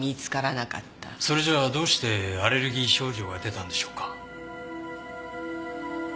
それじゃどうしてアレルギー症状が出たんでしょうか？